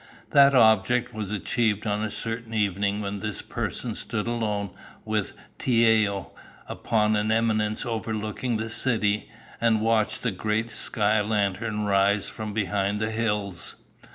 That object was achieved on a certain evening when this person stood alone with Tiao upon an eminence overlooking the city and watched the great sky lantern rise from behind the hills.